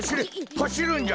はしるんじゃ。